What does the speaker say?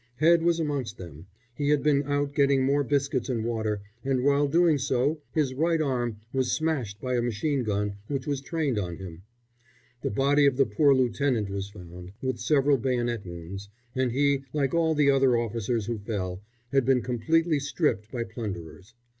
Head was amongst them he had been out getting more biscuits and water, and while doing so his right arm was smashed by a machine gun which was trained on him. The body of the poor lieutenant was found, with several bayonet wounds, and he, like all the other officers who fell, had been completely stripped by plunderers.